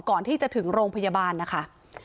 ก่อนที่จะถึงโรงพยาบาลนะคะ